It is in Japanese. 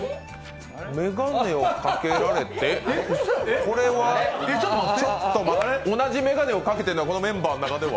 眼鏡をかけられてこれは同じ眼鏡をかけているのは、このメンバーの中では？